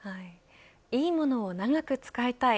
いいものを長く使いたい。